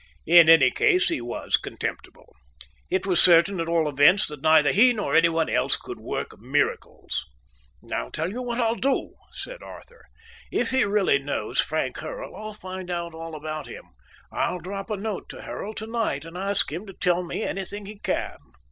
In any case he was contemptible. It was certain, at all events, that neither he nor anyone else could work miracles. "I'll tell you what I'll do," said Arthur. "If he really knows Frank Hurrell I'll find out all about him. I'll drop a note to Hurrell tonight and ask him to tell me anything he can."